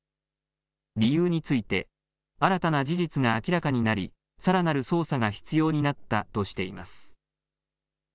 理由について新たな事実が明らかになりさらなる捜査が必要になったとしています。